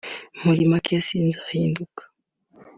muri make sinzahinduka